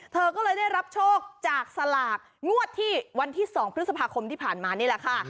เธอก็เลยได้รับโชคจากสลากงวดที่วันที่๒พฤษภาคมที่ผ่านมานี่แหละค่ะ